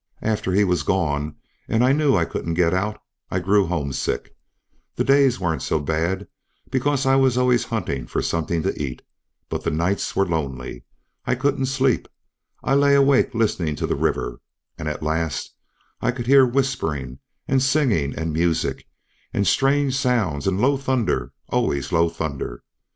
After he was gone and I knew I couldn't get out I grew homesick. The days weren't so bad because I was always hunting for something to eat, but the nights were lonely. I couldn't sleep. I lay awake listening to the river, and at last I could hear whispering and singing and music, and strange sounds, and low thunder, always low thunder.